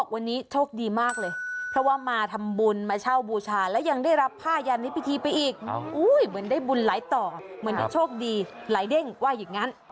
มันไหลต่อเหมือนเป็นโชคดีไหลเด้งว่าอย่างงั้น